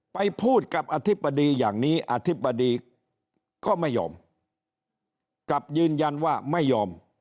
ไปพูดกับอธิบดีอย่างนี้อธิบดีก็ไม่ยอมกลับยืนยันว่าไม่ยอม